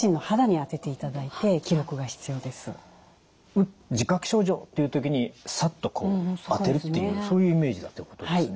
「あっ自覚症状」っていう時にサッとこう当てるっていうそういうイメージだってことですね。